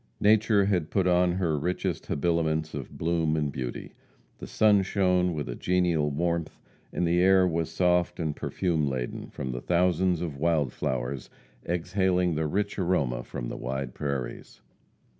Nature had put on her richest habiliments of bloom and beauty. The sun shone with a genial warmth, and the air was soft and perfume laden from the thousands of wild flowers exhaling the rich aroma from the wide prairies.